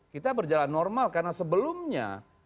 kita berjalan normal karena sebelumnya